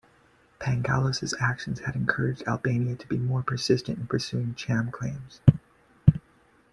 Pangalos' actions had encouraged Albania to be more persistent in pursuing Cham claims.